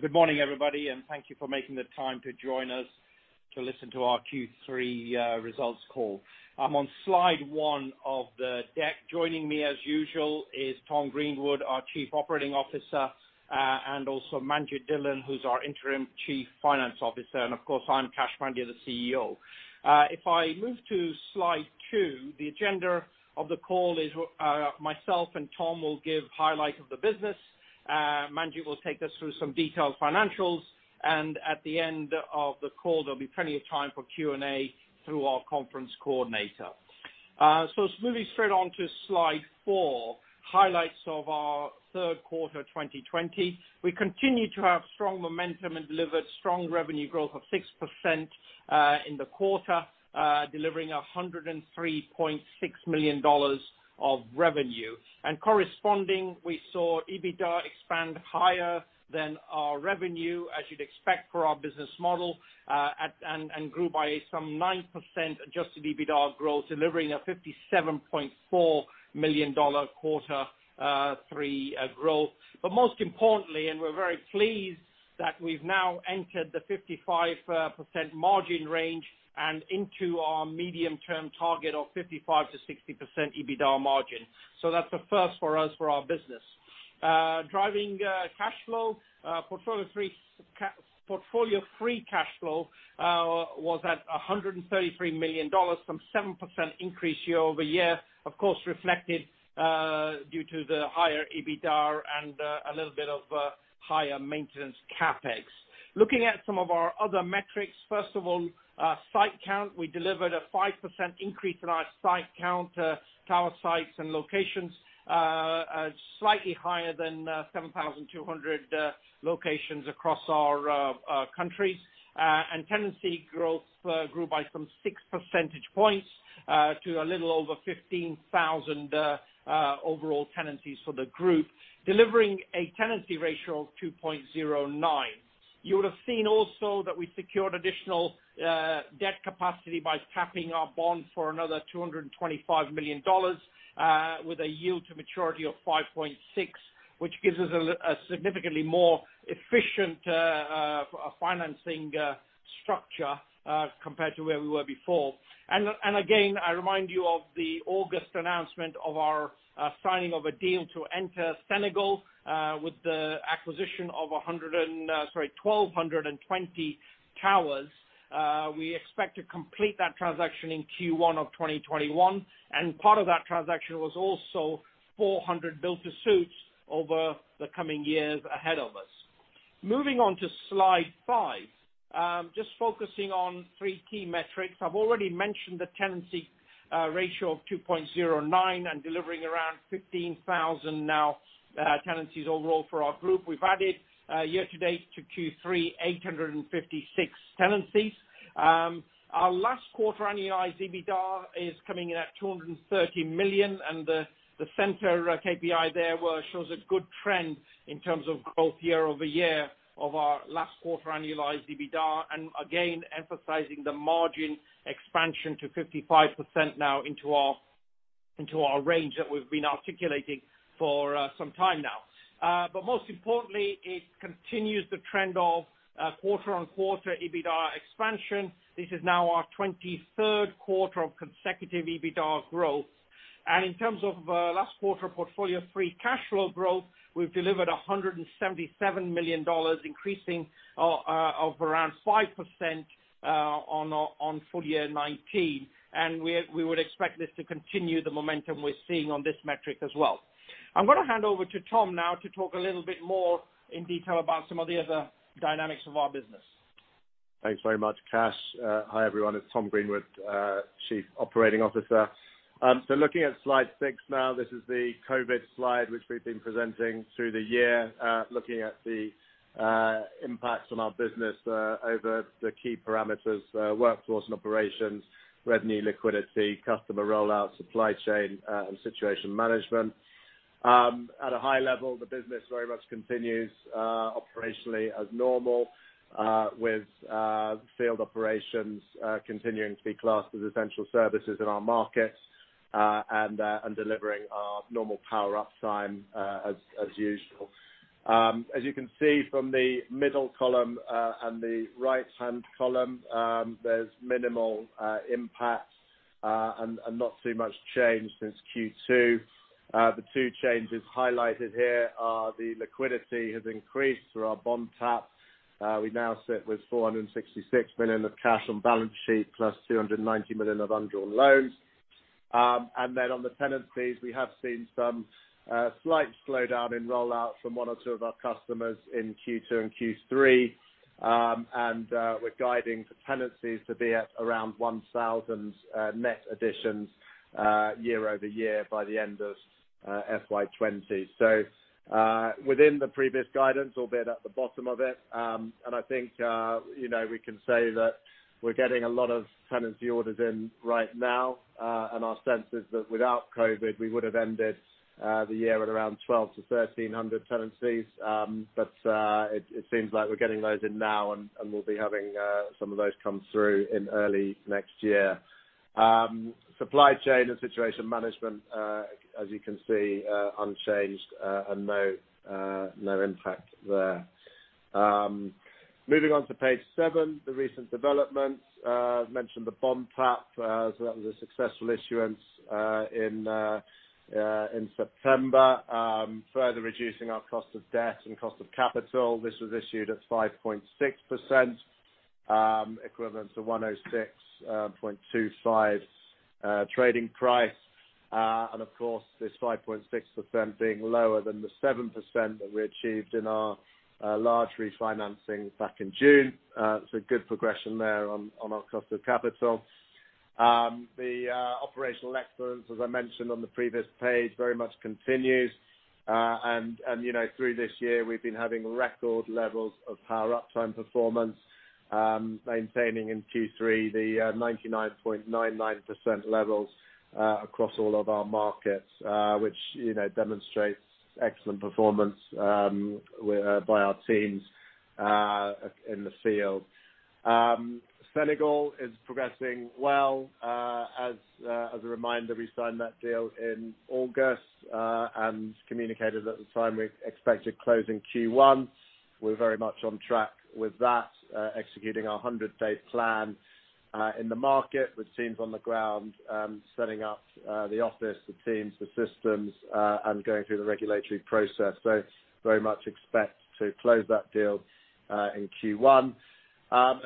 Good morning, everybody. Thank you for making the time to join us to listen to our Q3 results call. I'm on slide one of the deck. Joining me as usual is Tom Greenwood, our Chief Operating Officer. Also Manjit Dhillon, who's our interim Chief Finance Officer. Of course, I'm Kash Pandya, the CEO. If I move to slide two, the agenda of the call is myself and Tom will give highlights of the business. Manjit will take us through some detailed financials. At the end of the call, there'll be plenty of time for Q&A through our conference coordinator. Moving straight on to slide four, highlights of our third quarter 2020. We continue to have strong momentum and delivered strong revenue growth of 6% in the quarter, delivering $103.6 million of revenue. Corresponding, we saw EBITDA expand higher than our revenue, as you'd expect for our business model, and grew by some 9% adjusted EBITDA growth, delivering a $57.4 million quarter three growth. Most importantly, we're very pleased that we've now entered the 55% margin range and into our medium-term target of 55%-60% EBITDA margin. That's a first for us for our business. Driving cash flow, portfolio free cash flow was at $133 million, some 7% increase year-over-year, of course, reflected due to the higher EBITDA and a little bit of higher maintenance CapEx. Looking at some of our other metrics, first of all, site count. We delivered a 5% increase in our site count, tower sites, and locations, slightly higher than 7,200 locations across our countries. Tenancy growth grew by some six percentage points to a little over 15,000 overall tenancies for the group, delivering a tenancy ratio of 2.09. You would've seen also that we secured additional debt capacity by tapping our bonds for another $225 million with a yield to maturity of 5.6, which gives us a significantly more efficient financing structure compared to where we were before. Again, I remind you of the August announcement of our signing of a deal to enter Senegal with the acquisition of 1,220 towers. We expect to complete that transaction in Q1 of 2021, and part of that transaction was also 400 build-to-suits over the coming years ahead of us. Moving on to slide five, just focusing on three key metrics. I've already mentioned the tenancy ratio of 2.09 and delivering around 15,000 now tenancies overall for our group. We've added year-to-date to Q3, 856 tenancies. Our last quarter annualized EBITDA is coming in at $230 million, and the center KPI there shows a good trend in terms of growth year-over-year of our last quarter annualized EBITDA, and again, emphasizing the margin expansion to 55% now into our range that we've been articulating for some time now. Most importantly, it continues the trend of quarter-on-quarter EBITDA expansion. This is now our 23rd quarter of consecutive EBITDA growth. In terms of last quarter portfolio free cash flow growth, we've delivered $177 million, increasing of around 5% on full year 2019. We would expect this to continue the momentum we're seeing on this metric as well. I'm going to hand over to Tom now to talk a little bit more in detail about some of the other dynamics of our business. Thanks very much, Kash. Hi, everyone. It's Tom Greenwood, Chief Operating Officer. Looking at slide six now, this is the COVID slide, which we've been presenting through the year, looking at the impacts on our business over the key parameters, workforce and operations, revenue liquidity, customer rollout, supply chain, and situation management. At a high level, the business very much continues operationally as normal, with field operations continuing to be classed as essential services in our markets, and delivering our normal power uptime as usual. As you can see from the middle column, and the right-hand column, there's minimal impact, and not too much change since Q2. The two changes highlighted here are the liquidity has increased through our bond tap. We now sit with $466 million of cash on balance sheet plus $290 million of undrawn loans. On the tenancies, we have seen some slight slowdown in rollout from one or two of our customers in Q2 and Q3. We're guiding for tenancies to be at around 1,000 net additions year-over-year by the end of FY 2020. Within the previous guidance, albeit at the bottom of it, and I think we can say that we're getting a lot of tenancy orders in right now. Our sense is that without COVID, we would have ended the year at around 1,200 to 1,300 tenancies. It seems like we're getting those in now, and we'll be having some of those come through in early next year. Supply chain and situation management, as you can see, unchanged and no impact there. Moving on to page seven, the recent developments. I mentioned the bond tap. That was a successful issuance in September, further reducing our cost of debt and cost of capital. This was issued at 5.6%, equivalent to $106.25 trading price. Of course, this 5.6% being lower than the 7% that we achieved in our large refinancing back in June. Good progression there on our cost of capital. The operational excellence, as I mentioned on the previous page, very much continues. Through this year, we've been having record levels of power uptime performance, maintaining in Q3 the 99.99% levels across all of our markets, which demonstrates excellent performance by our teams in the field. Senegal is progressing well. As a reminder, we signed that deal in August, and communicated at the time we expected to close in Q1. We're very much on track with that, executing our 100-day plan in the market with teams on the ground, setting up the office, the teams, the systems, and going through the regulatory process. Very much expect to close that deal in Q1.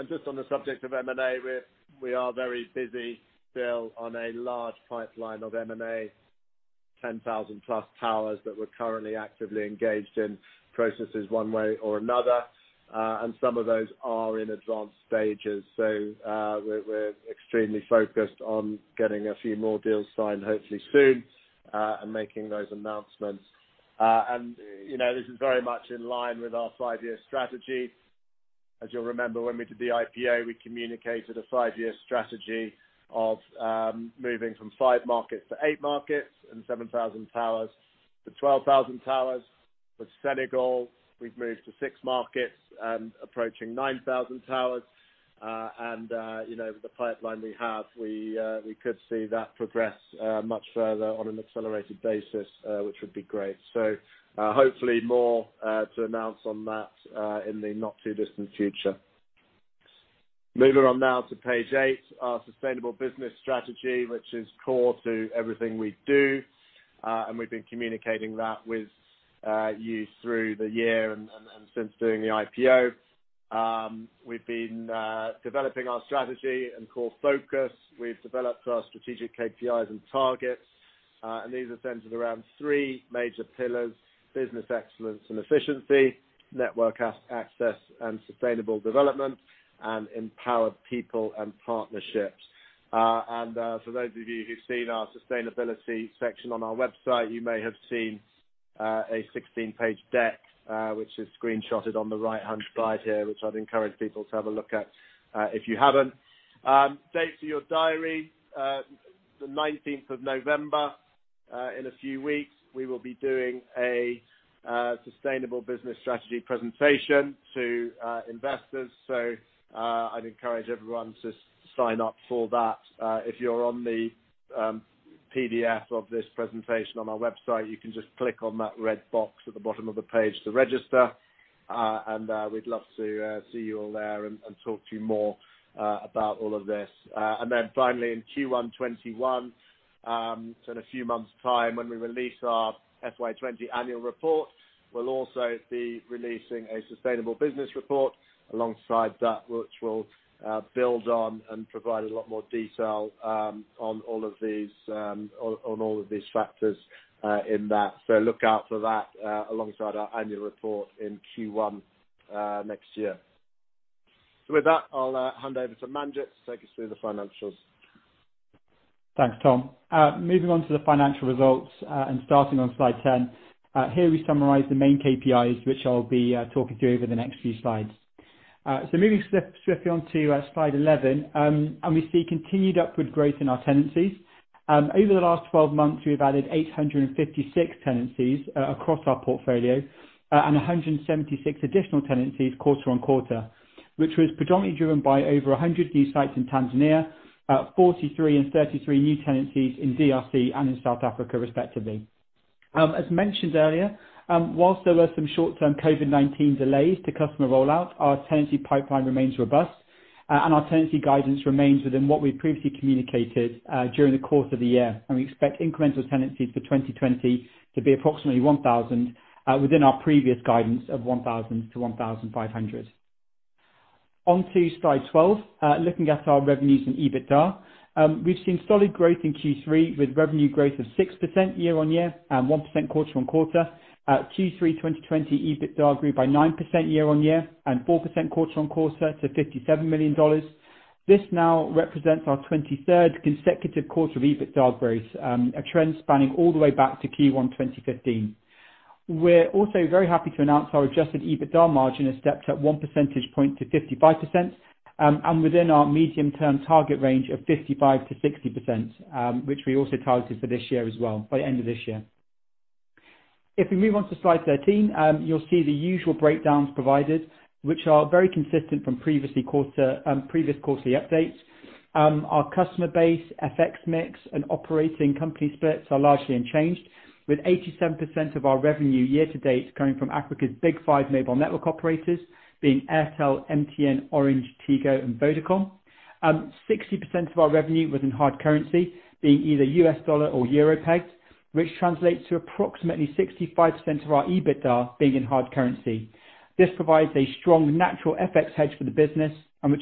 Just on the subject of M&A, we are very busy still on a large pipeline of M&A, 10,000+ towers that we're currently actively engaged in processes one way or another. Some of those are in advanced stages. We're extremely focused on getting a few more deals signed, hopefully soon, and making those announcements. This is very much in line with our five-year strategy. As you'll remember, when we did the IPO, we communicated a five-year strategy of moving from five markets to eight markets, and 7,000 towers to 12,000 towers. With Senegal, we've moved to six markets and approaching 9,000 towers. With the pipeline we have, we could see that progress much further on an accelerated basis, which would be great. Hopefully more to announce on that in the not-too-distant future. Moving on now to page eight, our sustainable business strategy, which is core to everything we do. We've been communicating that with you through the year and since doing the IPO. We've been developing our strategy and core focus. We've developed our strategic KPIs and targets. These are centered around three major pillars: business excellence and efficiency; network access and sustainable development; and empowered people and partnerships. For those of you who've seen our sustainability section on our website, you may have seen a 16-page deck, which is screenshotted on the right-hand side here, which I'd encourage people to have a look at if you haven't. Date for your diary, the 19th of November, in a few weeks, we will be doing a sustainable business strategy presentation to investors. I'd encourage everyone to sign up for that. If you're on the PDF of this presentation on our website, you can just click on that red box at the bottom of the page to register, and we'd love to see you all there and talk to you more about all of this. Finally, in Q1 2021, so in a few months' time, when we release our FY 2020 annual report, we'll also be releasing a sustainable business report alongside that, which will build on and provide a lot more detail on all of these factors in that. Look out for that alongside our annual report in Q1 next year. With that, I'll hand over to Manjit to take us through the financials. Thanks, Tom. Moving on to the financial results, starting on slide 10. Here we summarize the main KPIs, which I'll be talking through over the next few slides. Moving swiftly on to slide 11, we see continued upward growth in our tenancies. Over the last 12 months, we've added 856 tenancies across our portfolio, and 176 additional tenancies quarter-on-quarter, which was predominantly driven by over 100 new sites in Tanzania, 43 and 33 new tenancies in DRC and in South Africa, respectively. As mentioned earlier, whilst there were some short-term COVID-19 delays to customer rollout, our tenancy pipeline remains robust and our tenancy guidance remains within what we previously communicated during the course of the year. We expect incremental tenancies for 2020 to be approximately 1,000 within our previous guidance of 1,000-1,500. On to slide 12, looking at our revenues and EBITDA. We've seen solid growth in Q3 with revenue growth of 6% year-on-year and 1% quarter-on-quarter. Q3 2020 EBITDA grew by 9% year-on-year and 4% quarter-on-quarter to $57 million. This now represents our 23rd consecutive quarter of EBITDA growth, a trend spanning all the way back to Q1 2015. We're also very happy to announce our adjusted EBITDA margin has stepped up one percentage point to 55%, and within our medium-term target range of 55%-60%, which we also targeted for this year as well, by the end of this year. If we move on to slide 13, you'll see the usual breakdowns provided, which are very consistent from previous quarterly updates. Our customer base, FX mix, and operating company splits are largely unchanged, with 87% of our revenue year to date coming from Africa's Big-Five mobile network operators, being Airtel, MTN, Orange, Tigo, and Vodacom. 60% of our revenue was in hard currency, being either U.S. dollar or euro pegged, which translates to approximately 65% of our EBITDA being in hard currency. Which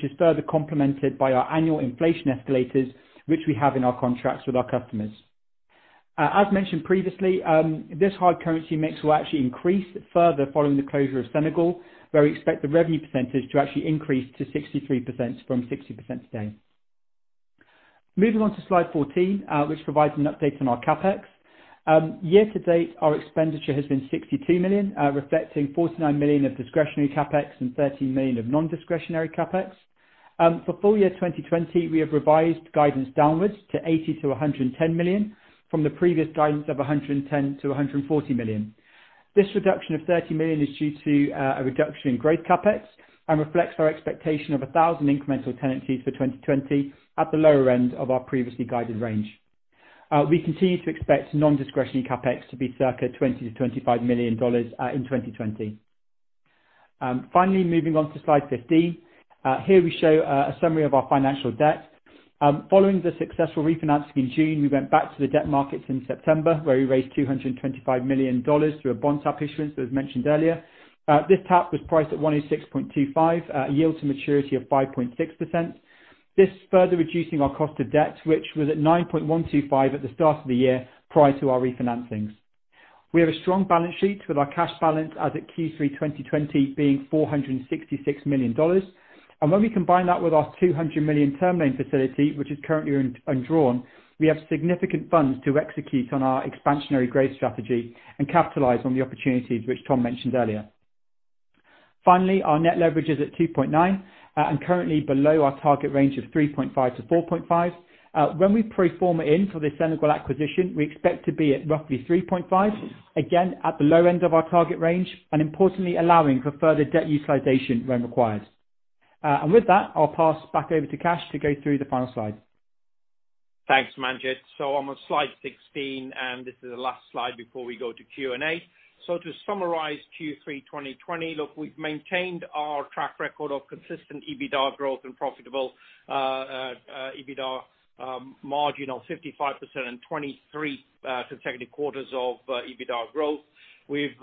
is further complemented by our annual inflation escalators, which we have in our contracts with our customers. As mentioned previously, this hard currency mix will actually increase further following the closure of Senegal, where we expect the revenue percentage to actually increase to 63% from 60% today. Moving on to slide 14, which provides an update on our CapEx. Year to date, our expenditure has been $62 million, reflecting $49 million of discretionary CapEx and $13 million of non-discretionary CapEx. For full year 2020, we have revised guidance downwards to $80 million-$110 million from the previous guidance of $110 million-$140 million. This reduction of $30 million is due to a reduction in growth CapEx and reflects our expectation of 1,000 incremental tenancies for 2020 at the lower end of our previously guided range. We continue to expect non-discretionary CapEx to be circa $20 million-$25 million in 2020. Moving on to slide 15. Here we show a summary of our financial debt. Following the successful refinancing in June, we went back to the debt markets in September, where we raised $225 million through a bond tap issuance, as mentioned earlier. This tap was priced at $106.25, a yield to maturity of 5.6%. This further reducing our cost of debt, which was at 9.125% at the start of the year prior to our refinancings. We have a strong balance sheet with our cash balance as at Q3 2020 being $466 million. When we combine that with our $200 million term loan facility, which is currently undrawn, we have significant funds to execute on our expansionary growth strategy and capitalize on the opportunities which Tom mentioned earlier. Finally, our net leverage is at 2.9x and currently below our target range of 3.5x-4.5x. When we pro forma in for the Senegal acquisition, we expect to be at roughly 3.5x, again at the low end of our target range, and importantly allowing for further debt utilization when required. With that, I'll pass back over to Kash to go through the final slide. Thanks, Manjit. On slide 16, and this is the last slide before we go to Q&A. To summarize Q3 2020, look, we've maintained our track record of consistent EBITDA growth and profitable EBITDA margin of 55% and 23 consecutive quarters of EBITDA growth. We've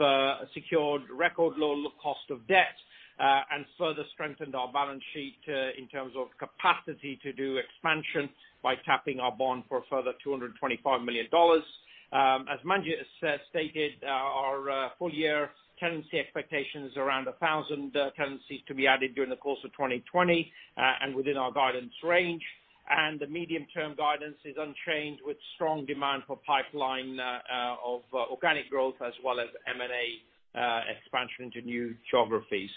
secured record low cost of debt, and further strengthened our balance sheet in terms of capacity to do expansion by tapping our bond for a further $225 million. As Manjit has stated, our full year tenancy expectation is around 1,000 tenancies to be added during the course of 2020, and within our guidance range. The medium-term guidance is unchanged with strong demand for pipeline of organic growth as well as M&A expansion into new geographies.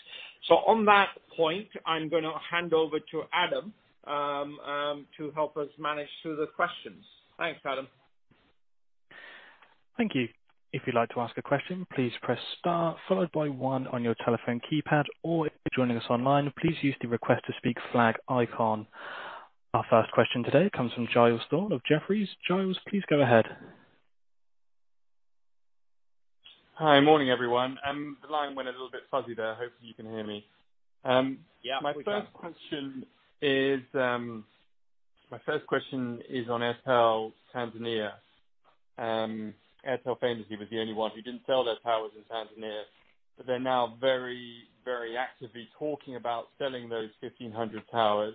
On that point, I'm going to hand over to Adam to help us manage through the questions. Thanks, Adam. Thank you. If you'd like to ask a question, please press star followed by one on your telephone keypad, or if you're joining us online, please use the request to speak flag icon. Our first question today comes from Giles Thorne of Jefferies. Giles, please go ahead. Hi. Morning, everyone. The line went a little bit fuzzy there. Hopefully you can hear me. Yeah, we can. My first question is on Airtel Tanzania. Airtel famously was the only one who didn't sell their towers in Tanzania, but they're now very actively talking about selling those 1,500 towers.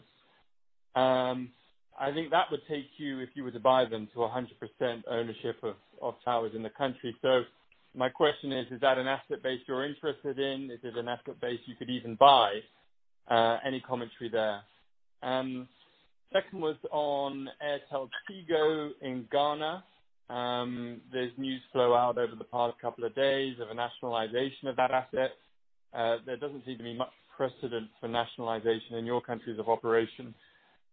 I think that would take you, if you were to buy them, to 100% ownership of towers in the country. My question is that an asset base you're interested in? Is it an asset base you could even buy? Any commentary there. Second was on AirtelTigo in Ghana. There's news flow out over the past couple of days of a nationalization of that asset. There doesn't seem to be much precedent for nationalization in your countries of operation.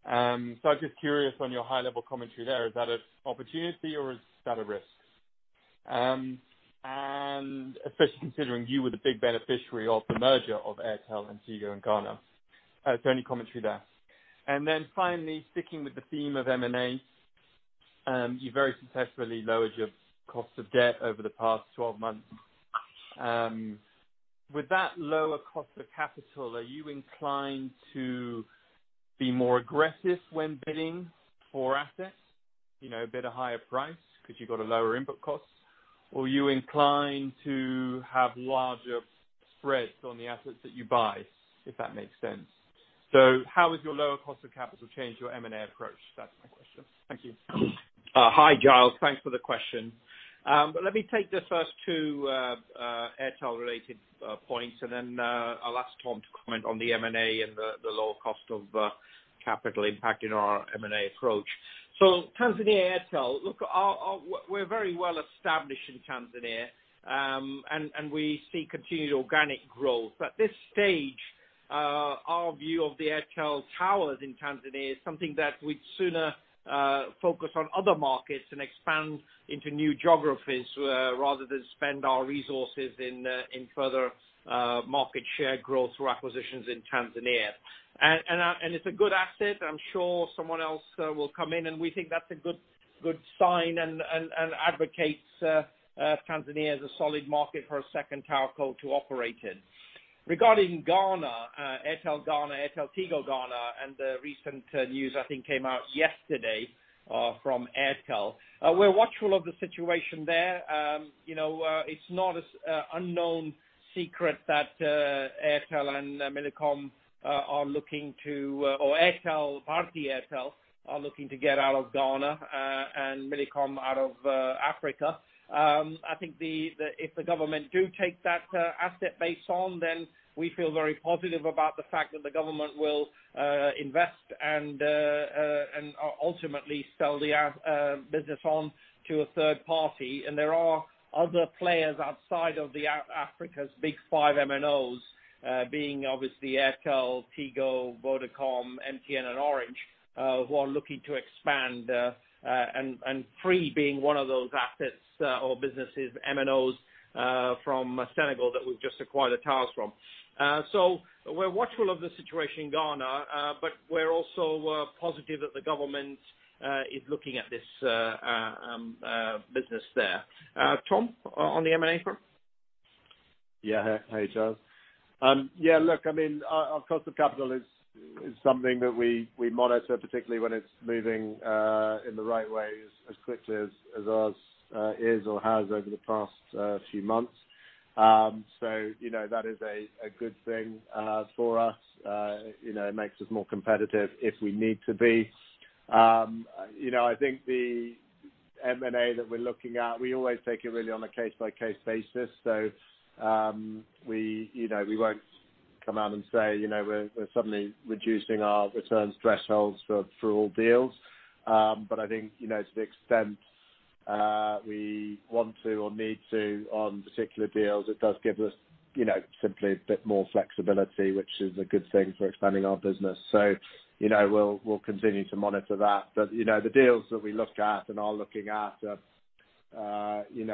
I'm just curious on your high-level commentary there, is that an opportunity or is that a risk? Especially considering you were the big beneficiary of the merger of Airtel and Tigo in Ghana. Any commentary there. Finally, sticking with the theme of M&A, you very successfully lowered your cost of debt over the past 12 months. With that lower cost of capital, are you inclined to be more aggressive when bidding for assets? Bid a higher price because you've got a lower input cost? Are you inclined to have larger spreads on the assets that you buy, if that makes sense. How has your lower cost of capital changed your M&A approach? That's my question. Thank you. Hi, Giles. Thanks for the question. Let me take the first two Airtel related points, then I'll ask Tom to comment on the M&A and the lower cost of capital impacting our M&A approach. Tanzania Airtel, look, we're very well established in Tanzania, and we see continued organic growth. At this stage, our view of the Airtel towers in Tanzania is something that we'd sooner focus on other markets and expand into new geographies rather than spend our resources in further market share growth through acquisitions in Tanzania. It's a good asset. I'm sure someone else will come in, and we think that's a good sign and advocates Tanzania as a solid market for a second towerco to operate in. Regarding Ghana, Airtel Ghana, AirtelTigo Ghana, and the recent news I think came out yesterday from Airtel. We're watchful of the situation there. It's not an unknown secret that Airtel, Bharti Airtel, are looking to get out of Ghana, and Millicom out of Africa. I think if the government do take that asset base on, then we feel very positive about the fact that the government will invest and ultimately sell the business on to a third party. There are other players outside of the Africa's Big-Five MNOs, being obviously Airtel, Tigo, Vodacom, MTN and Orange, who are looking to expand, and Free being one of those assets or businesses, MNOs, from Senegal that we've just acquired the towers from. We're watchful of the situation in Ghana, but we're also positive that the government is looking at this business there. Tom, on the M&A front. Hey, Giles. Our cost of capital is something that we monitor, particularly when it's moving in the right way as quickly as ours is or has over the past few months. That is a good thing for us. It makes us more competitive if we need to be. I think the M&A that we're looking at, we always take it really on a case-by-case basis. We won't come out and say we're suddenly reducing our returns thresholds for all deals. I think to the extent we want to or need to on particular deals, it does give us simply a bit more flexibility, which is a good thing for expanding our business. We'll continue to monitor that. The deals that we look at and are looking at, we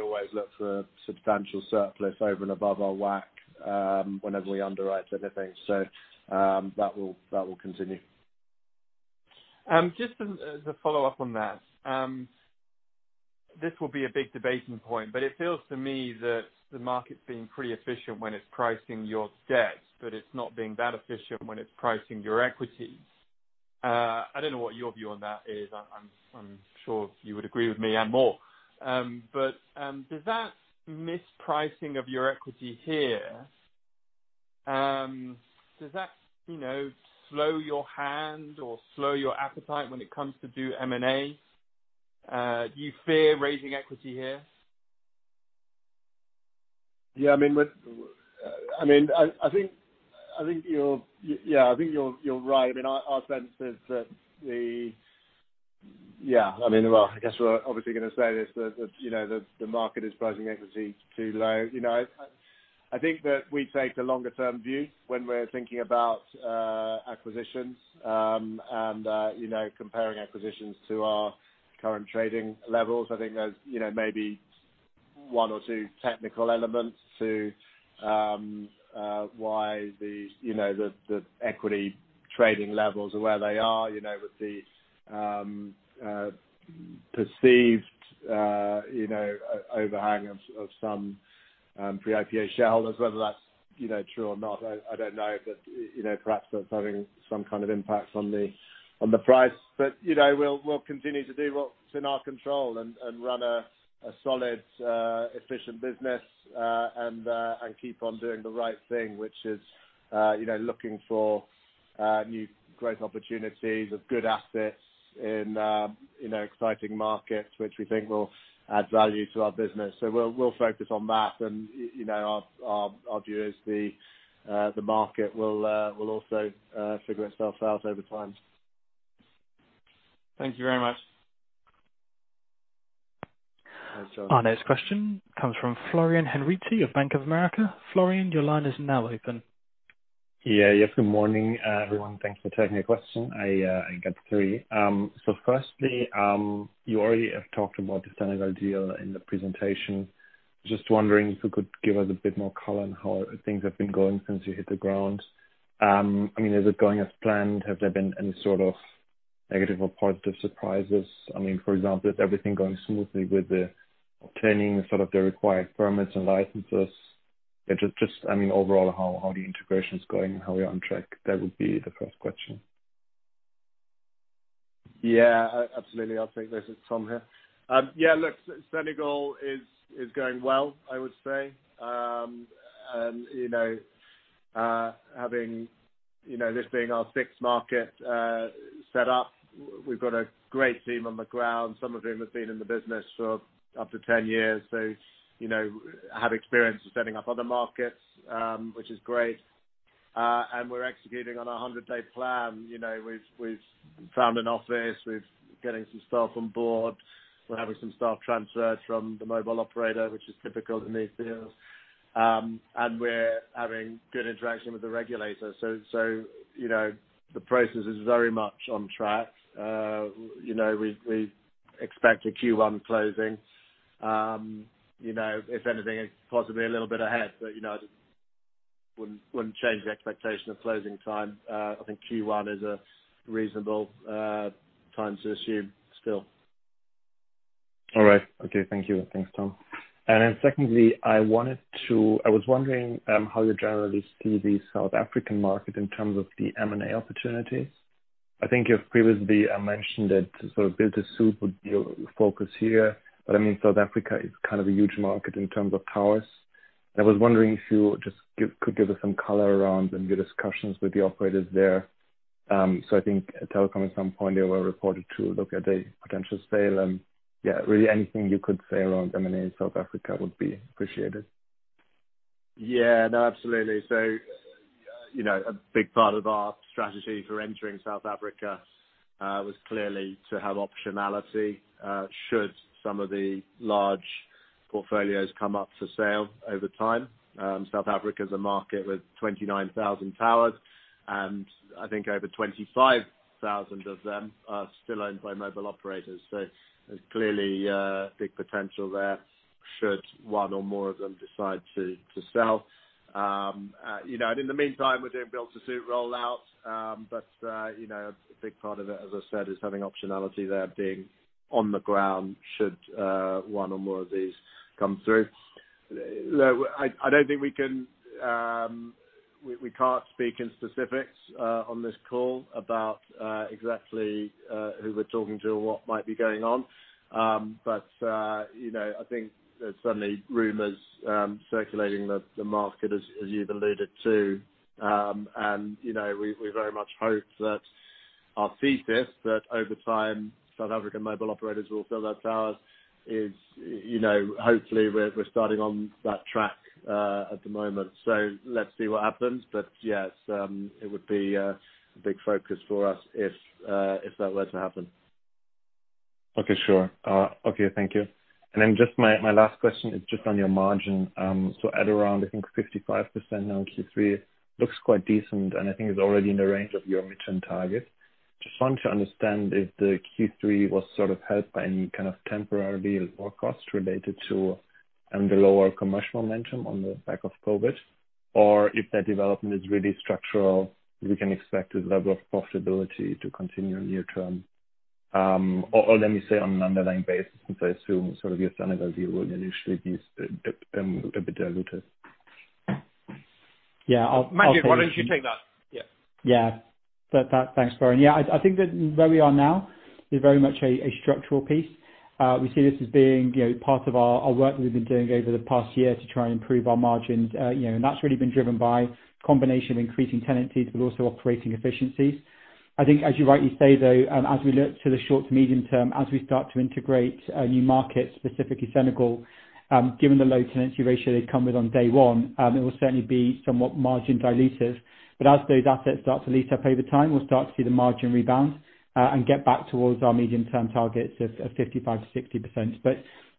always look for substantial surplus over and above our WACC whenever we underwrite anything. That will continue. Just as a follow-up on that. This will be a big debating point, but it feels to me that the market's being pretty efficient when it's pricing your debt, but it's not being that efficient when it's pricing your equity. I don't know what your view on that is. I'm sure you would agree with me and more. Does that mispricing of your equity here, does that slow your hand or slow your appetite when it comes to do M&A? Do you fear raising equity here? Yeah. I think you're right. Our sense is that I guess we're obviously gonna say this, that the market is pricing equity too low. I think that we take the longer-term view when we're thinking about acquisitions and comparing acquisitions to our current trading levels. I think there's maybe one or two technical elements to why the equity trading levels are where they are. The perceived overhang of some pre-IPO shareholders, whether that's true or not, I don't know. Perhaps that's having some kind of impact on the price. We'll continue to do what's in our control and run a solid, efficient business, and keep on doing the right thing, which is looking for new growth opportunities of good assets in exciting markets, which we think will add value to our business. We'll focus on that. Our view is the market will also figure itself out over time. Thank you very much. Thanks, Giles. Our next question comes from Florian Henritzi of Bank of America Corporation Florian, your line is now open. Yeah. Good morning, everyone. Thanks for taking the question. I got three. Firstly, you already have talked about the Senegal deal in the presentation. Just wondering if you could give us a bit more color on how things have been going since you hit the ground. Is it going as planned? Has there been any sort of negative or positive surprises? For example, is everything going smoothly with the obtaining the required permits and licenses? Just overall how the integration's going and how we're on track. That would be the first question. Absolutely. I'll take this. It's Tom here. Senegal is going well, I would say. This being our sixth market set up, we've got a great team on the ground, some of whom have been in the business for up to 10 years. Have experience of setting up other markets, which is great. We're executing on our 100-day plan. We've found an office, we're getting some staff on board. We're having some staff transferred from the mobile operator, which is typical in these deals. We're having good interaction with the regulators. The process is very much on track. We expect a Q1 closing. If anything, it's possibly a little bit ahead, wouldn't change the expectation of closing time. I think Q1 is a reasonable time to assume still. All right. Okay. Thank you. Thanks, Tom. Then secondly, I was wondering how you generally see the South African market in terms of the M&A opportunity. I think you've previously mentioned that build-to-suit would be your focus here, but South Africa is a huge market in terms of towers. I was wondering if you just could give us some color around your discussions with the operators there. I think Telkom, at some point, they were reported to look at a potential sale and really anything you could say around M&A South Africa would be appreciated. No, absolutely. A big part of our strategy for entering South Africa, was clearly to have optionality, should some of the large portfolios come up for sale over time. South Africa is a market with 29,000 towers, and I think over 25,000 of them are still owned by mobile operators. There's clearly big potential there should one or more of them decide to sell. In the meantime, we're doing build-to-suit rollouts. A big part of it, as I said, is having optionality there, being on the ground should one or more of these come through. I don't think we can't speak in specifics on this call about exactly who we're talking to or what might be going on. I think there's certainly rumors circulating the market as you've alluded to. We very much hope that our thesis that over time, South African mobile operators will sell their towers is, hopefully, we're starting on that track at the moment. Let's see what happens. Yes, it would be a big focus for us if that were to happen. Okay. Sure. Okay. Thank you. Just my last question is just on your margin. At around, I think, 55% now in Q3, looks quite decent, and I think it's already in the range of your midterm target. Just want to understand if the Q3 was helped by any kind of temporary lower costs related to the lower commercial momentum on the back of COVID, or if that development is really structural, we can expect this level of profitability to continue near term? Let me say on an underlying basis, since I assume your Senegal deal will initially be a bit dilutive. Manjit, why don't you take that? Yeah. Thanks, Florian. I think that where we are now is very much a structural piece. We see this as being part of our work that we've been doing over the past year to try and improve our margins. That's really been driven by combination of increasing tenancies but also operating efficiencies. I think as you rightly say, though, as we look to the short to medium term, as we start to integrate new markets, specifically Senegal, given the low tenancy ratio they come with on day one, it will certainly be somewhat margin dilutive. As those assets start to lease up over time, we'll start to see the margin rebound, and get back towards our medium-term targets of 55%-60%.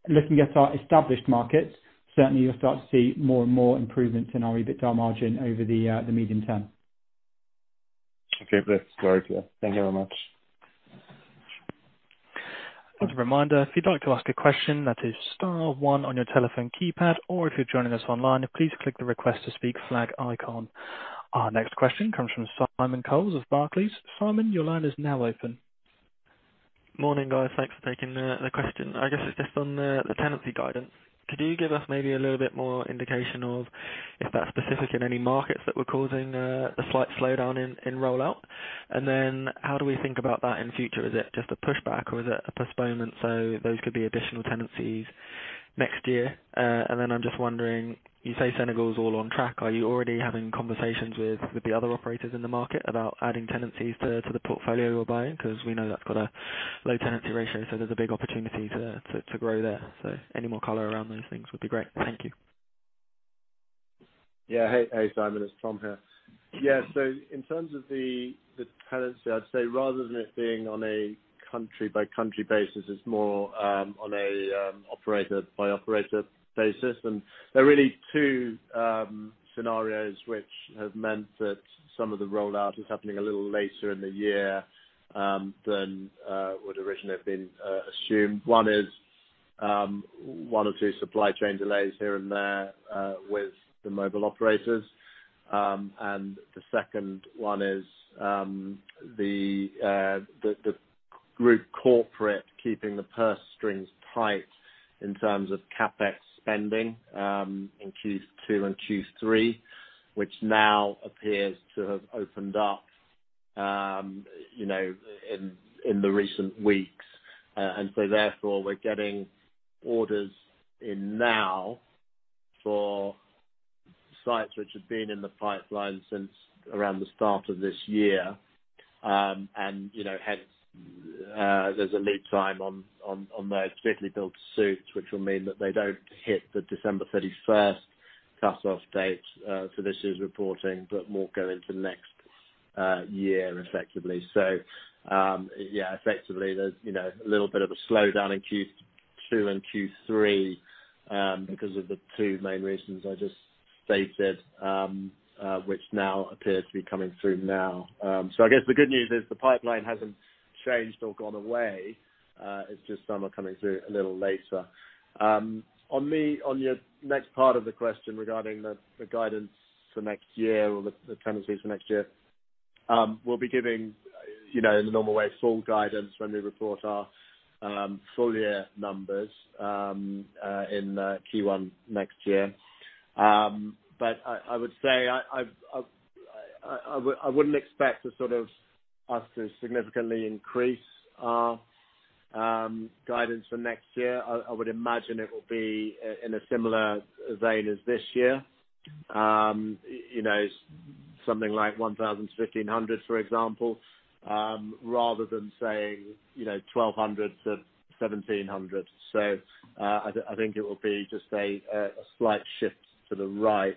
Looking at our established markets, certainly you'll start to see more and more improvements in our EBITDA margin over the medium term. Okay. Great. Thank you very much. Just a reminder, if you'd like to ask a question, that is star one on your telephone keypad, or if you're joining us online, please click the Request to Speak flag icon. Our next question comes from Simon Coles of Barclays. Simon, your line is now open. Morning, guys. Thanks for taking the question. I guess it's just on the tenancy guidance. Could you give us maybe a little bit more indication of if that's specific in any markets that were causing a slight slowdown in rollout? How do we think about that in future? Is it just a pushback or is it a postponement, so those could be additional tenancies next year? I'm just wondering, you say Senegal is all on track. Are you already having conversations with the other operators in the market about adding tenancies to the portfolio you're buying? Because we know that's got a low tenancy ratio, so there's a big opportunity to grow there. Any more color around those things would be great. Thank you. Hey, Simon. It's Tom here. In terms of the tenancy, I'd say rather than it being on a country-by-country basis, it's more on a operator-by-operator basis. There are really two scenarios which have meant that some of the rollout is happening a little later in the year than would originally have been assumed. One is, one or two supply chain delays here and there with the mobile operators. The second one is the group corporate keeping the purse strings tight in terms of CapEx spending in Q2 and Q3, which now appears to have opened up in the recent weeks. Therefore, we're getting orders in now for sites which have been in the pipeline since around the start of this year. Hence, there's a lead time on those, particularly build-to-suits, which will mean that they don't hit the December 31st cutoff date for this year's reporting, but more go into next year effectively. Yeah, effectively there's a little bit of a slowdown in Q2 and Q3 because of the two main reasons I just stated which now appear to be coming through now. I guess the good news is the pipeline hasn't changed or gone away. It's just some are coming through a little later. On your next part of the question regarding the guidance for next year or the tenancies for next year. We'll be giving in the normal way, full guidance when we report our full year numbers in Q1 next year. I would say, I wouldn't expect us to significantly increase our guidance for next year. I would imagine it will be in a similar vein as this year. Something like 1,000-1,500, for example, rather than saying 1,200-1,700. I think it will be just a slight shift to the right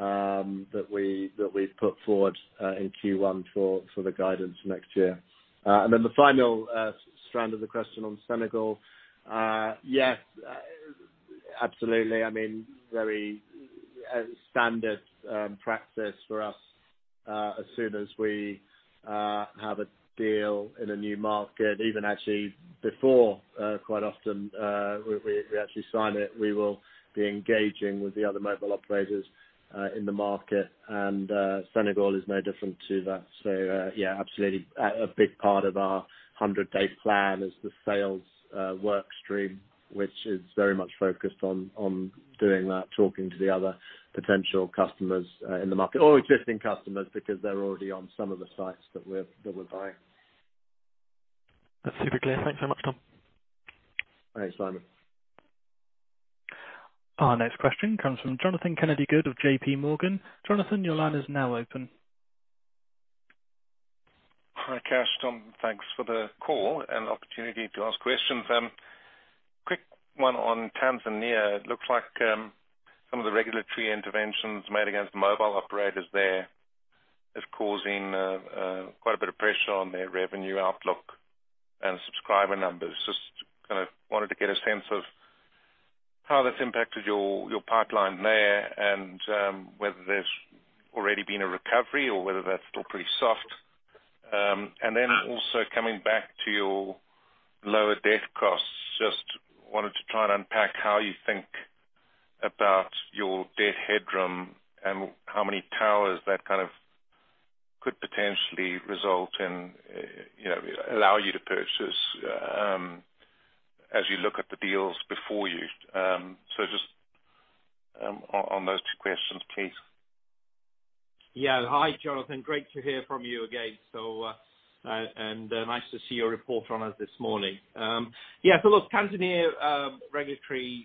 that we'd put forward in Q1 for the guidance next year. Then the final strand of the question on Senegal. Yes. Absolutely. Very standard practice for us. As soon as we have a deal in a new market, even actually before, quite often, we actually sign it, we will be engaging with the other mobile operators in the market. Senegal is no different to that. Yeah, absolutely. A big part of our 100-day plan is the sales work stream, which is very much focused on doing that, talking to the other potential customers in the market or existing customers, because they're already on some of the sites that we're buying. That's super clear. Thanks so much, Tom. Thanks, Simon. Our next question comes from Jonathan Kennedy-Good of JPMorgan Chase & Co. Jonathan, your line is now open. Hi, Kash, Tom, thanks for the call and opportunity to ask questions. Quick one on Tanzania. It looks like some of the regulatory interventions made against mobile operators there is causing quite a bit of pressure on their revenue outlook and subscriber numbers. Kind of wanted to get a sense of how that's impacted your pipeline there and whether there's already been a recovery or whether that's still pretty soft. Also coming back to your lower debt costs, wanted to try and unpack how you think about your debt headroom and how many towers that could potentially result in allow you to purchase as you look at the deals before you. On those two questions, please. Yeah. Hi, Jonathan. Great to hear from you again. Nice to see your report on us this morning. Yeah, so look, Tanzania regulatory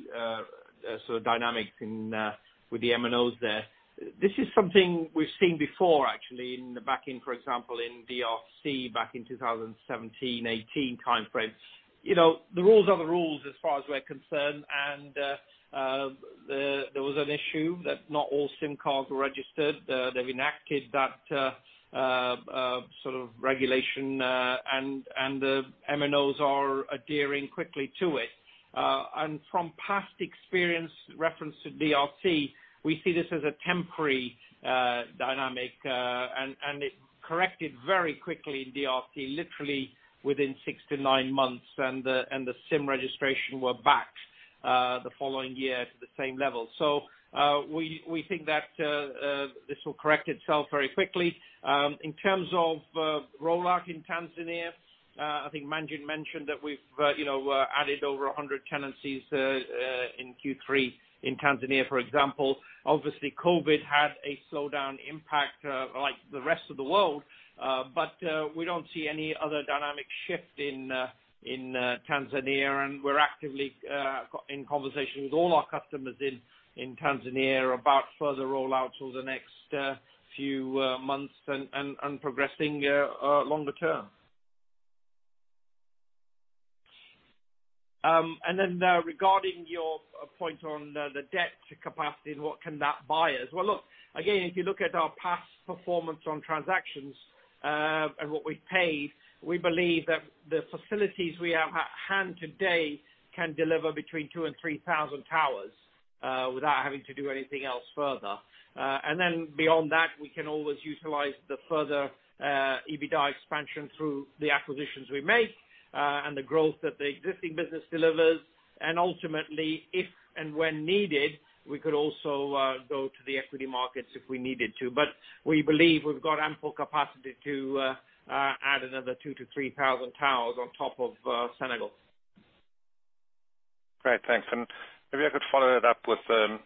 sort of dynamics with the MNOs there, this is something we've seen before actually back in, for example, in DRC back in 2017, 2018 timeframe. The rules are the rules as far as we're concerned and there was an issue that not all SIM cards were registered. They've enacted that regulation, and the MNOs are adhering quickly to it. From past experience, reference to DRC, we see this as a temporary dynamic, and it corrected very quickly in DRC, literally within six to nine months. The SIM registration were back the following year to the same level. We think that this will correct itself very quickly. In terms of rollout in Tanzania, I think Manjit mentioned that we've added over 100 tenancies in Q3 in Tanzania, for example. Obviously COVID had a slowdown impact like the rest of the world. We don't see any other dynamic shift in Tanzania, and we're actively in conversation with all our customers in Tanzania about further rollout over the next few months and progressing longer term. Regarding your point on the debt capacity and what can that buy us. Well, look, again, if you look at our past performance on transactions, and what we've paid, we believe that the facilities we have at hand today can deliver between 2,000 and 3,000 towers without having to do anything else further. Beyond that, we can always utilize the further EBITDA expansion through the acquisitions we make, and the growth that the existing business delivers. Ultimately, if and when needed, we could also go to the equity markets if we needed to. We believe we've got ample capacity to add another 2,000-3,000 towers on top of Senegal. Great. Thanks. Maybe I could follow that up with a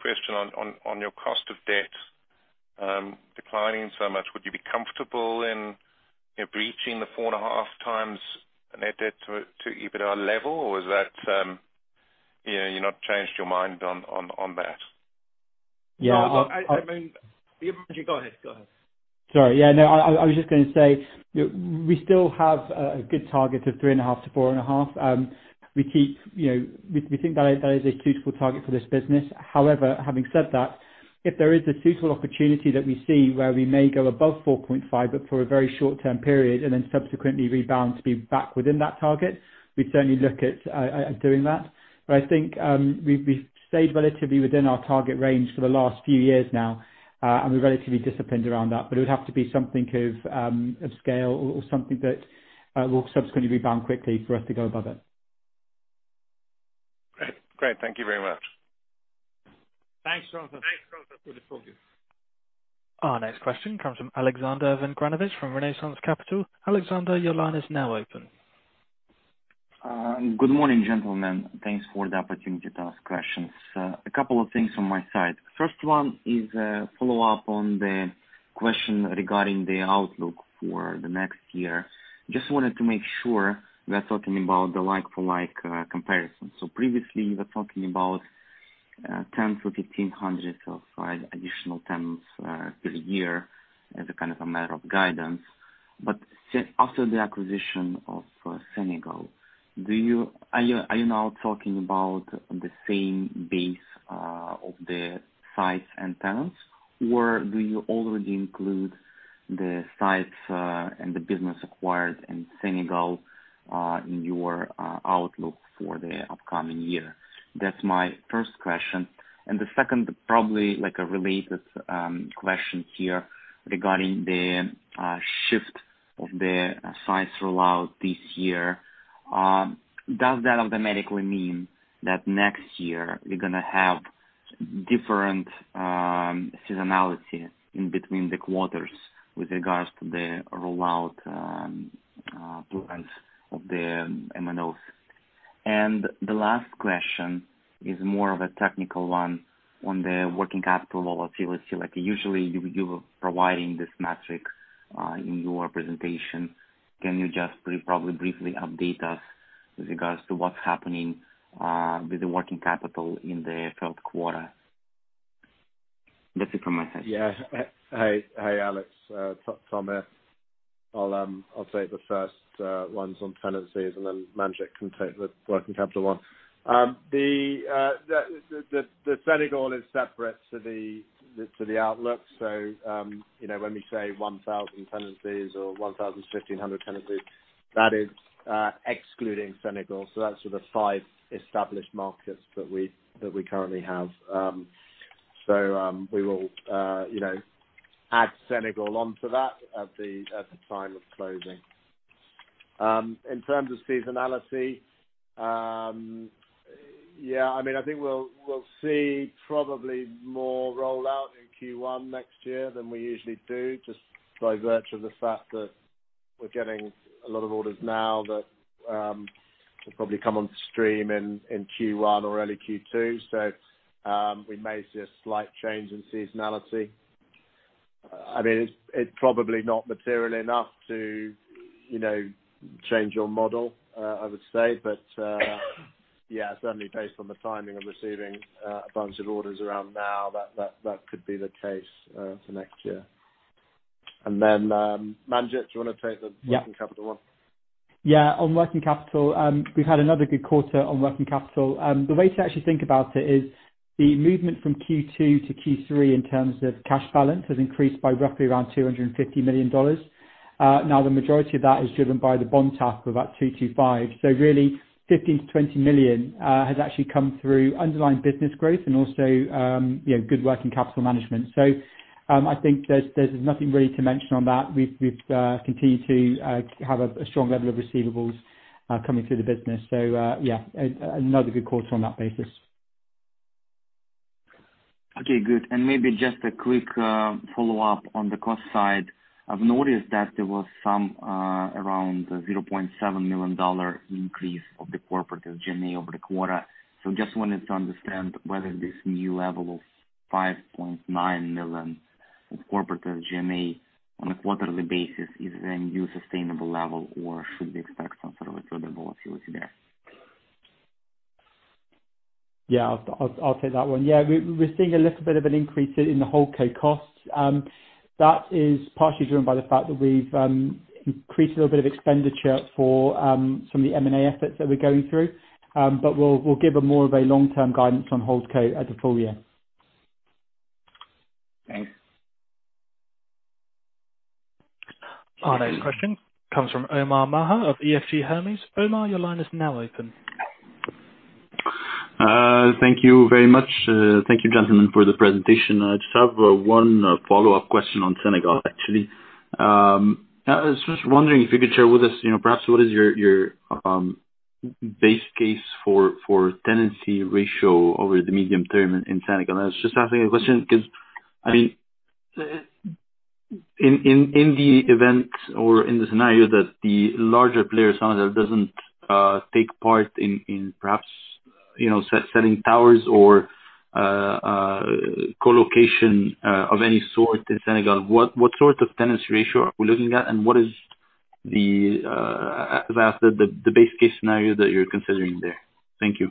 question on your cost of debt declining so much. Would you be comfortable in breaching the 4.5x net debt to EBITDA level? Is that you not changed your mind on that? Yeah. No, Yeah, Manjit, go ahead. Sorry. Yeah, no, I was just going to say, we still have a good target of 3.5x-4.5x. We think that is a suitable target for this business. Having said that, if there is a suitable opportunity that we see where we may go above 4.5x, but for a very short-term period, and then subsequently rebound to be back within that target, we'd certainly look at doing that. I think we've stayed relatively within our target range for the last few years now, and we're relatively disciplined around that, it would have to be something of scale or something that will subsequently rebound quickly for us to go above it. Great. Thank you very much. Thanks, Jonathan. Good to talk to you. Our next question comes from Alexander Vengranovich from Renaissance Capital. Alexander, your line is now open. Good morning, gentlemen. Thanks for the opportunity to ask questions. A couple of things from my side. First one is a follow-up on the question regarding the outlook for the next year. Just wanted to make sure we're talking about the like-for-like comparison. Previously, you were talking about 1,000-1,500 of additional tenants per year as a matter of guidance. After the acquisition of Senegal, are you now talking about the same base of the sites and tenants, or do you already include the sites and the business acquired in Senegal in your outlook for the upcoming year? That's my first question. The second probably related question here regarding the shift of the site rollout this year. Does that automatically mean that next year we're going to have different seasonality in between the quarters with regards to the rollout plans of the MNOs? The last question is more of a technical one on the working capital volatility. Usually you were providing this metric in your presentation. Can you just probably briefly update us with regards to what's happening with the working capital in the third quarter? That's it from my side. Yeah. Hey, Alex, Tom here. I'll take the first ones on tenancies and then Manjit can take the working capital one. The Senegal is separate to the outlook. When we say 1,000 tenancies or 1,500 tenancies, that is excluding Senegal. That's the five established markets that we currently have. We will add Senegal onto that at the time of closing. In terms of seasonality, I think we'll see probably more rollout in Q1 next year than we usually do, just by virtue of the fact that we're getting a lot of orders now that should probably come onto stream in Q1 or early Q2. We may see a slight change in seasonality. It's probably not material enough to change your model, I would say. Yeah, certainly based on the timing of receiving a bunch of orders around now, that could be the case for next year. Then, Manjit, do you want to take the working capital one? Yeah. On working capital, we've had another good quarter on working capital. The way to actually think about it is the movement from Q2 to Q3 in terms of cash balance has increased by roughly around $250 million. The majority of that is driven by the bond tap of about $225 million. Really $15 million-$20 million has actually come through underlying business growth and also good working capital management. I think there's nothing really to mention on that. We've continued to have a strong level of receivables coming through the business. Yeah, another good quarter on that basis. Okay, good. Maybe just a quick follow-up on the cost side. I've noticed that there was some around $0.7 million increase of the corporate G&A over the quarter. Just wanted to understand whether this new level of $5.9 million of corporate G&A on a quarterly basis is a new sustainable level or should we expect some sort of a further volatility there? Yeah, I'll take that one. We're seeing a little bit of an increase in the holdco cost. That is partially driven by the fact that we've increased a little bit of expenditure for some of the M&A efforts that we're going through. We'll give a more of a long-term guidance on holdco at the full year. Thanks. Our next question comes from Omar Maher of EFG Hermes. Omar, your line is now open. Thank you very much. Thank you, gentlemen for the presentation. I just have one follow-up question on Senegal, actually. I was just wondering if you could share with us, perhaps what is your base case for tenancy ratio over the medium term in Senegal? I was just asking a question because in the event or in the scenario that the larger player, Senegal, doesn't take part in perhaps selling towers or co-location of any sort in Senegal, what sort of tenancy ratio are we looking at, and what is the base case scenario that you're considering there. Thank you.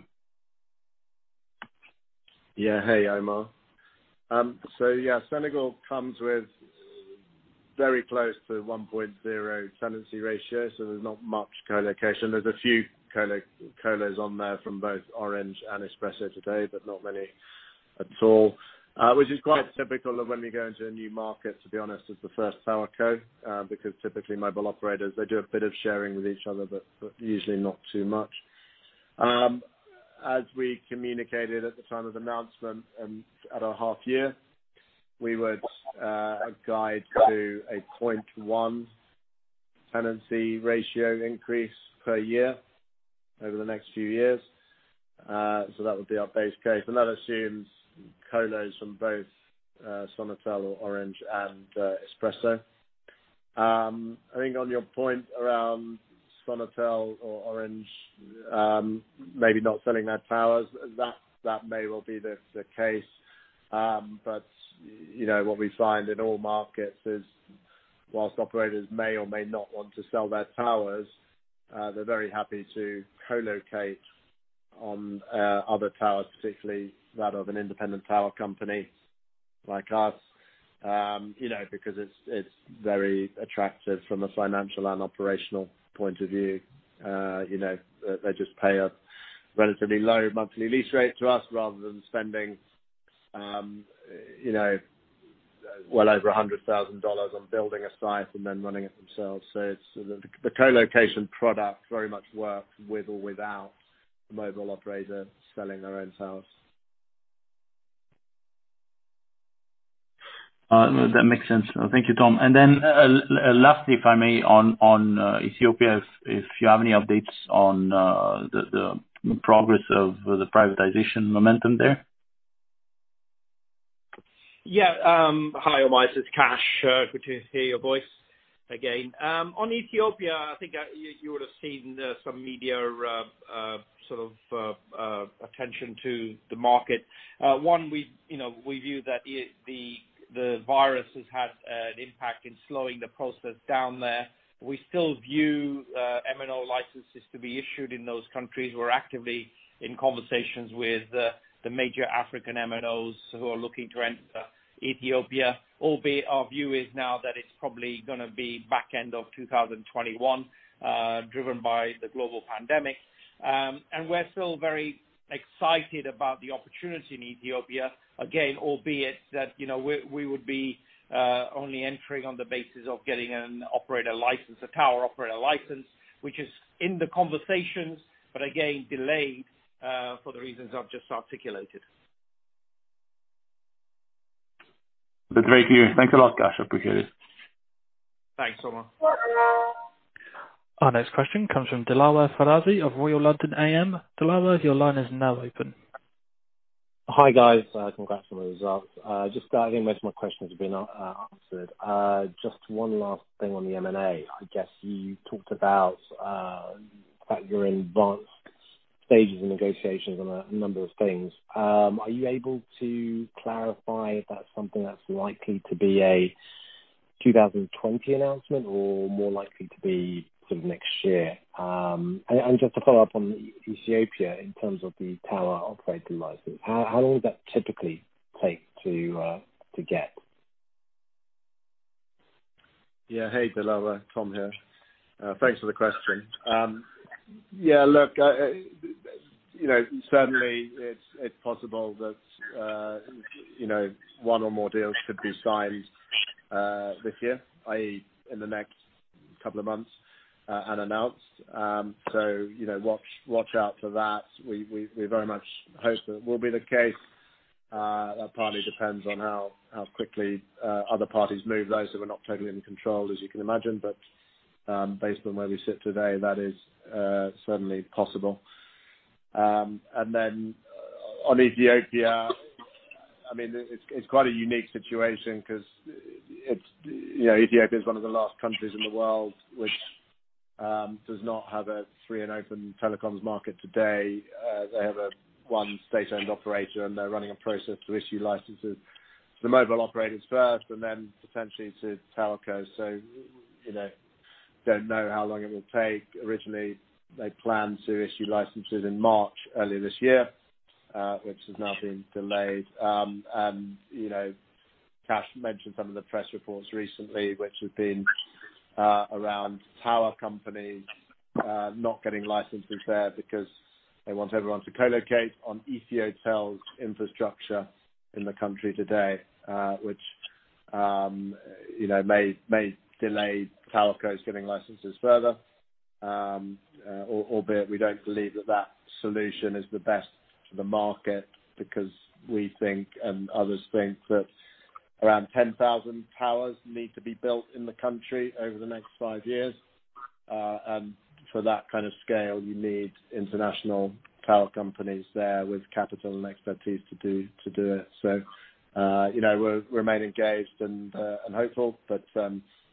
Hey, Omar. Senegal comes with very close to 1.0 tenancy ratio, there's not much co-location. There's a few colos on there from both Orange and Expresso today, but not many at all. Which is quite typical of when we go into a new market, to be honest, as the first towerco. Typically mobile operators, they do a bit of sharing with each other, but usually not too much. As we communicated at the time of announcement at our half year, we would guide to a 0.1 tenancy ratio increase per year over the next few years. That would be our base case, and that assumes colos from both Sonatel, Orange and Expresso. I think on your point around Sonatel or Orange, maybe not selling their towers, that may well be the case. What we find in all markets is whilst operators may or may not want to sell their towers, they're very happy to co-locate on other towers, particularly that of an independent towerco like us. Because it's very attractive from a financial and operational point of view. They just pay a relatively low monthly lease rate to us rather than spending well over $100,000 on building a site and then running it themselves. The co-location product very much works with or without the mobile operator selling their own towers. That makes sense. Thank you, Tom. Lastly, if I may, on Ethiopia, if you have any updates on the progress of the privatization momentum there? Yeah. Hi, Omar, this is Kash. Good to hear your voice again. On Ethiopia, I think you would've seen some media attention to the market. One, we view that the virus has had an impact in slowing the process down there. We still view MNO licenses to be issued in those countries. We're actively in conversations with the major African MNOs who are looking to enter Ethiopia. Albeit our view is now that it's probably gonna be back end of 2021, driven by the global pandemic. We're still very excited about the opportunity in Ethiopia again, albeit that we would be only entering on the basis of getting a tower operator license, which is in the conversations, but again delayed, for the reasons I've just articulated. That's very clear. Thanks a lot, Kash. Appreciate it. Thanks, Omar. Our next question comes from Dilawer Farazi of Royal London AM. Dilawer, your line is now open. Hi, guys. Congrats on the results. Most of my questions have been answered. Just one last thing on the M&A. I guess you talked about, that you're in advanced stages of negotiations on a number of things. Are you able to clarify if that's something that's likely to be a 2020 announcement or more likely to be next year? Just to follow up on Ethiopia, in terms of the tower operating license, how long does that typically take to get? Yeah. Hey, Dilawer. Tom here. Thanks for the question. Yeah, look, certainly it's possible that one or more deals could be signed this year, i.e., in the next couple of months, and announced. Watch out for that. We very much hope that will be the case. That partly depends on how quickly other parties move, though, so we're not totally in control, as you can imagine. Based on where we sit today, that is certainly possible. On Ethiopia, it's quite a unique situation because Ethiopia is one of the last countries in the world which does not have a free and open telecoms market today. They have one state-owned operator, and they're running a process to issue licenses to mobile operators first and then potentially to towercos. Don't know how long it will take. Originally, they planned to issue licenses in March, earlier this year, which has now been delayed. Kash mentioned some of the press reports recently, which have been around tower companies not getting licenses there because they want everyone to colocate on Ethio Telecom's infrastructure in the country today, which may delay towercos getting licenses further. We don't believe that that solution is the best for the market, because we think, and others think that around 10,000 towers need to be built in the country over the next five years. For that kind of scale, you need international tower companies there with capital and expertise to do it. We remain engaged and hopeful.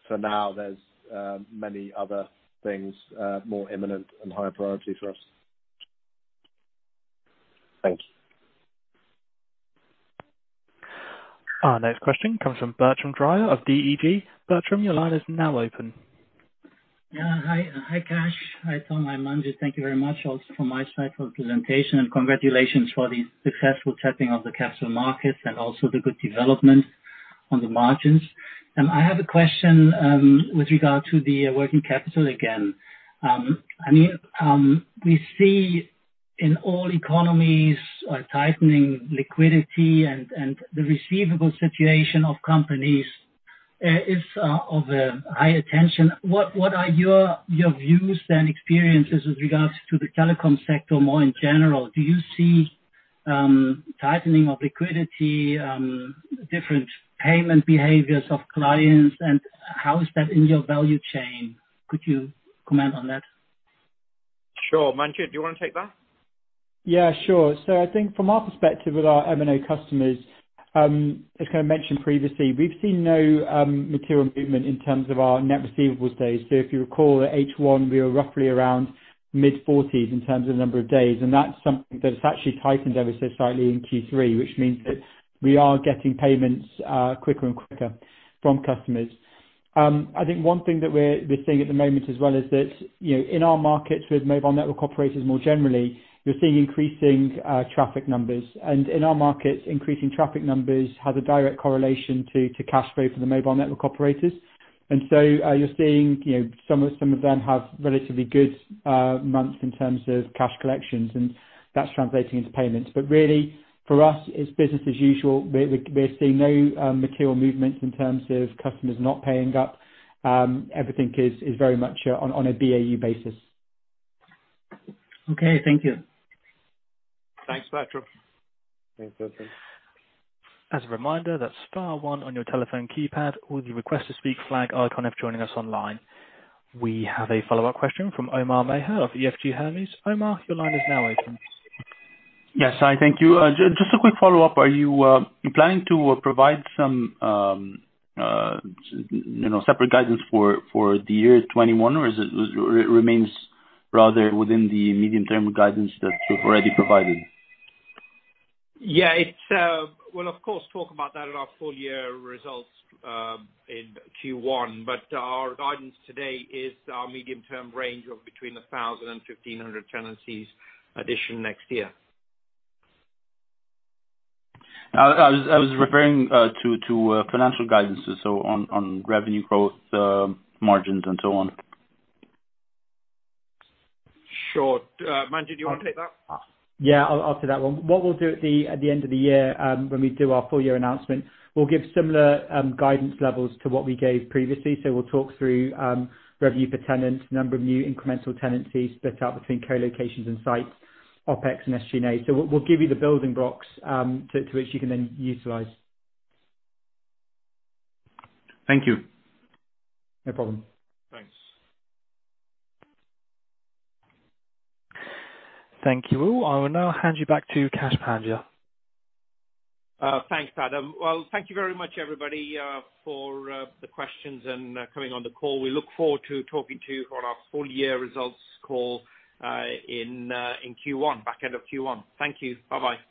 For now, there's many other things more imminent and higher priority for us. Thank you. Our next question comes from Bertram Dreyer of DEG. Bertram, your line is now open. Yeah. Hi, Kash. Hi, Tom. Hi, Manjit. Thank you very much also from my side for the presentation, and congratulations for the successful tapping of the capital markets and also the good development on the margins. I have a question with regard to the working capital again. We see in all economies a tightening liquidity and the receivable situation of companies is of a high attention. What are your views and experiences with regards to the telecom sector more in general? Do you see tightening of liquidity, different payment behaviors of clients, and how is that in your value chain? Could you comment on that? Sure. Manjit, do you want to take that? Sure. I think from our perspective with our M&A customers, as kind of mentioned previously, we've seen no material movement in terms of our net receivable days. If you recall, at H1, we were roughly around mid-40s in terms of the number of days, and that's something that it's actually tightened ever so slightly in Q3, which means that we are getting payments quicker and quicker from customers. I think one thing that we're seeing at the moment as well is that, in our markets with mobile network operators more generally, you're seeing increasing traffic numbers. In our markets, increasing traffic numbers has a direct correlation to cash flow for the mobile network operators. You're seeing some of them have relatively good months in terms of cash collections, and that's translating into payments. Really, for us, it's business as usual. We're seeing no material movements in terms of customers not paying up. Everything is very much on a BAU basis. Okay, thank you. Thanks, Bertram. As a reminder, that's star one on your telephone keypad or the Request to Speak flag icon if joining us online. We have a follow-up question from Omar Maher of EFG Hermes. Omar, your line is now open. Yes, hi. Thank you. Just a quick follow-up. Are you planning to provide some separate guidance for the year 2021, or it remains rather within the medium-term guidance that you've already provided? Yeah. We'll, of course, talk about that in our full-year results in Q1. Our guidance today is our medium-term range of between 1,000 and 1,500 tenancies addition next year. I was referring to financial guidances, so on revenue growth, margins, and so on. Sure. Manjit, do you want to take that? Yeah, I'll take that one. What we'll do at the end of the year when we do our full-year announcement, we'll give similar guidance levels to what we gave previously. We'll talk through revenue per tenant, number of new incremental tenancies split up between co-locations and sites, OpEx, and SG&A. We'll give you the building blocks, to which you can then utilize. Thank you. No problem. Thanks. Thank you. I will now hand you back to Kash Pandya. Thanks, Adam. Thank you very much, everybody, for the questions and coming on the call. We look forward to talking to you on our full-year results call in the back end of Q1. Thank you. Bye-bye.